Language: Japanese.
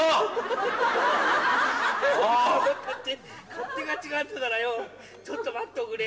勝手が違ったからようちょっと待っておくれ。